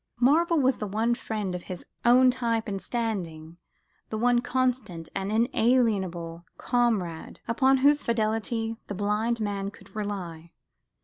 Marvell was the one friend of his own type and standing, the one constant and inalienable comrade, upon whose fidelity the blind man could rely.